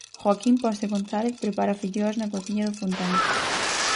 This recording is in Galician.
Joaquín Pose González prepara filloas na cociña do Fontán.